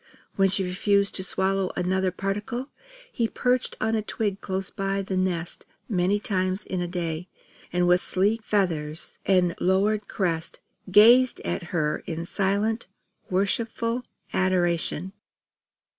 When she refused to swallow another particle, he perched on a twig close by the nest many times in a day; and with sleek feathers and lowered crest, gazed at her in silent worshipful adoration.